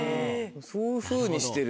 そういうふうにしてる。